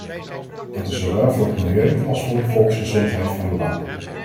Dat is zowel voor het milieu als voor de volksgezondheid van belang.